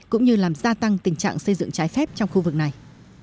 cũng như làm gia tăng tình trạng xây dựng trái phép trong khu vực này